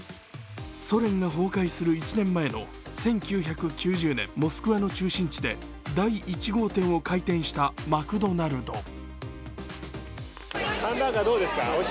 ソ連が崩壊する１年前の１９９０年、モスクワの中心地で第１号店を開店したマクドナルド。